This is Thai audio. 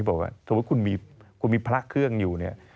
สมมุติว่าคุณมีพระเครื่องอยู่